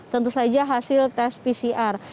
tentu saja hasil tes pcr